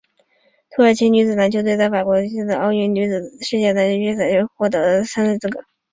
土耳其女子篮球队在法国南特举办的奥运女子篮球世界预选赛上获得参赛资格。